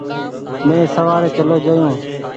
مينٚ سوآري چلو جآيو